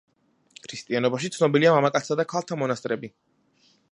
ქრისტიანობაში ცნობილია მამაკაცთა და ქალთა მონასტრები.